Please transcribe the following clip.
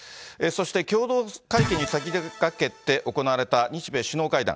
そして共同会見に先がけて行われた日米首脳会談。